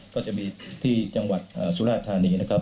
ก็จะมีที่จังหวัดสุราธานีนะครับ